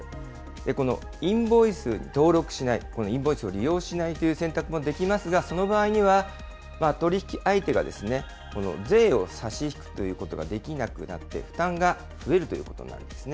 このインボイスに登録しない、このインボイスを利用しないという選択もできますが、その場合には取り引き相手が税を差し引くということができなくなって、負担が増えるということになるんですね。